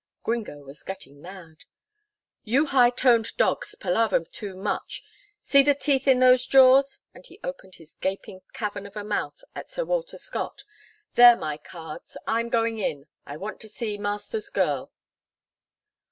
Gringo was getting mad. "You high toned dogs palaver too much. See the teeth in those jaws," and he opened his gaping cavern of a mouth at Sir Walter Scott. "They're my cards. I'm going in I want to see master's girl."